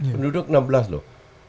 penduduk enam belas loh